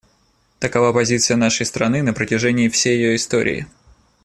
Такова позиция нашей страны на протяжении всей ее истории.